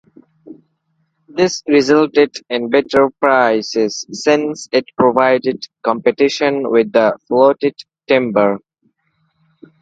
This resulted in better prices since it provided competition with the floated timber.